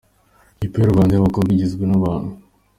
Ikipe y’u Rwanda y’abakobwa igizwe n’abantu.